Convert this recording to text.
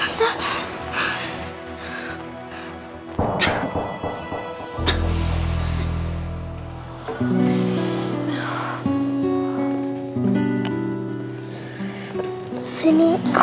pak tata serventating friend